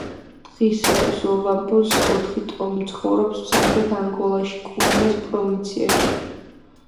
დღისათვის ოვამბოს ოთხი ტომი ცხოვრობს სამხრეთ ანგოლაში, კუნენეს პროვინციაში.